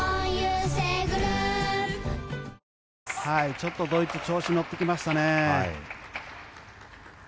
ちょっとドイツ調子に乗ってきましたね。